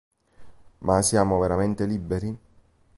Ma siamo veramente liberi?